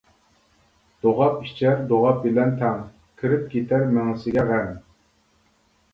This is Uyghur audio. دوغاپ ئىچەر دوغاپ بىلەن تەڭ، كىرىپ كېتەر مېڭىسىگە غەم.